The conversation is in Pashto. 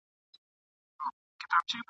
د ار غوان به، باندي یرغل وي ..